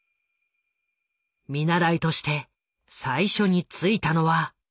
見習いとして最初についたのは。